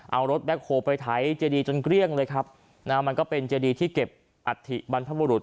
เอารถแบ็คโฮลไปไถเจดีจนเกลี้ยงเลยครับนะฮะมันก็เป็นเจดีที่เก็บอัฐิบรรพบุรุษ